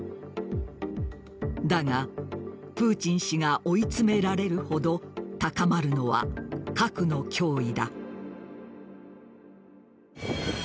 だが、プーチン氏が追い詰められるほど高まるのは核の脅威だ。